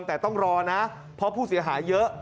แต่ต้องรอนะเพราะผู้เสียหายเยอะ